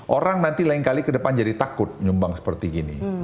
orang nanti lain kali ke depan jadi takut nyumbang seperti gini